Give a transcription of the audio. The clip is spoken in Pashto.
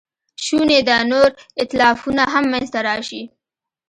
شونې ده نور ایتلافونه هم منځ ته راشي.